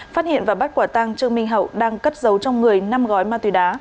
phát hiện và bắt quả tăng trương minh hậu đang cất giấu trong người năm gói ma túy đá